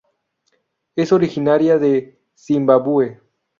Es originaria de Zimbabue.